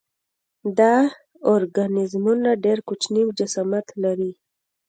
دا ارګانیزمونه ډېر کوچنی جسامت لري.